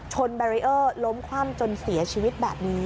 แบรีเออร์ล้มคว่ำจนเสียชีวิตแบบนี้